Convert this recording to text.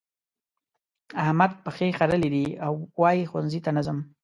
احمد پښې خرلې دي؛ وايي ښوونځي ته نه ځم.